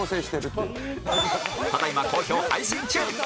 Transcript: ただいま好評配信中！